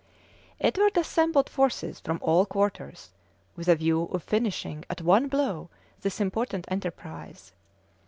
{1314.} Edward assembled forces from all quarters, with a view of finishing at one blow this important enterprise.